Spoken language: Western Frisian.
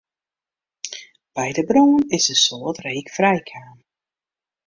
By de brân is in soad reek frijkaam.